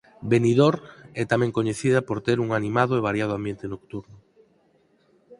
Benidorm é tamén coñecida por ter un animado e variado ambiente nocturno.